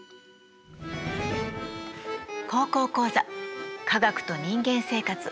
「高校講座科学と人間生活」。